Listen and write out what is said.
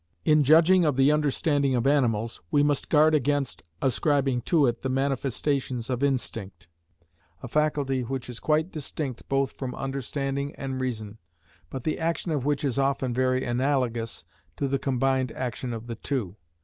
In judging of the understanding of animals, we must guard against ascribing to it the manifestations of instinct, a faculty which is quite distinct both from understanding and reason, but the action of which is often very analogous to the combined action of the two.